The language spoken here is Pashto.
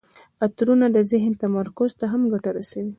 عطرونه د ذهن تمرکز ته هم ګټه رسوي.